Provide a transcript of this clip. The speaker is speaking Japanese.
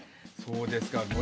そうですか。